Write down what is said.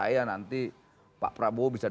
oh itu kan berarti n colorado leher published